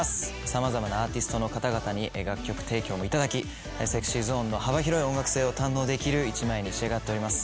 様々なアーティストの方々に楽曲提供も頂きＳｅｘｙＺｏｎｅの幅広い音楽性を堪能できる１枚に仕上がっております。